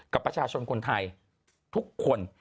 กับประชาชนคนไทยทุกคน